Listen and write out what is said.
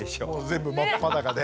全部真っ裸で。